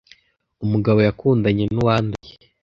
Umugabo yakundanye n’uwanduye